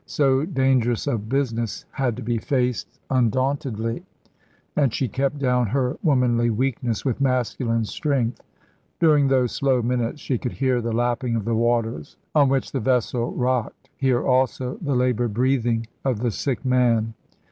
So dangerous a business had to be faced undauntedly, and she kept down her womanly weakness with masculine strength. During those slow minutes she could hear the lapping of the waters, on which the vessel rocked; hear also the laboured breathing of the sick man.